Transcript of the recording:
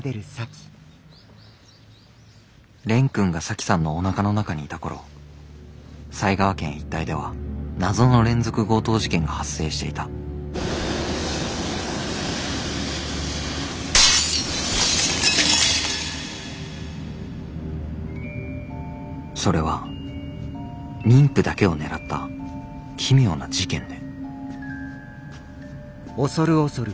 蓮くんが沙樹さんのおなかの中にいた頃埼川県一帯では謎の連続強盗事件が発生していたそれは妊婦だけを狙った奇妙な事件で・